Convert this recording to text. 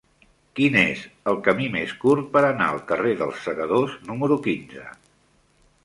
Quin és el camí més curt per anar al carrer dels Segadors número quinze?